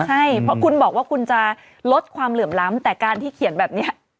ใช่เพราะคุณบอกว่าคุณจะลดความเหลื่อมล้ำแต่การที่เขียนแบบนี้